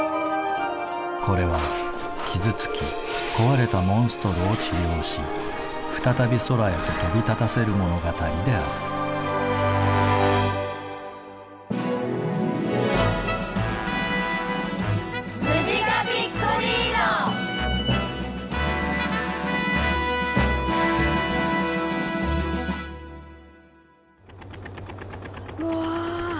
これは傷つき壊れたモンストロを治療し再び空へと飛び立たせる物語であるわぁ！